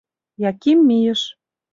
Яким мийыш.